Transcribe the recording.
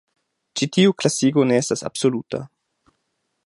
Ĉi tiu klasigo ne estas absoluta.